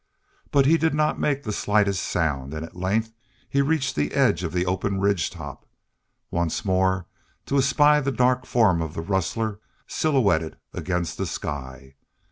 But he did not make the slightest sound, and at length he reached the edge of the open ridge top, once more to espy the dark form of the rustler silhouetted against the sky.